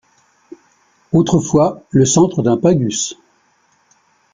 Autrefois le centre d'un pagus.